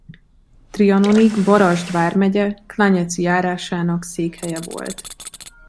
Trianonig Varasd vármegye Klanjeci járásának székhelye volt.